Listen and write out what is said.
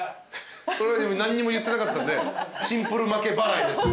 それは何にも言ってなかったんでシンプル負け払いです。